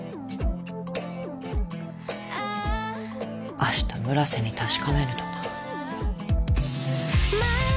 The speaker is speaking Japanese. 明日村瀬に確かめぬとな。